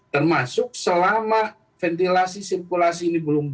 termasuk selama ventilasi sirkulasi ini belum